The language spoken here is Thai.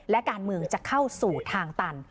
และการเมืองจะเข้าสู่ทางตัน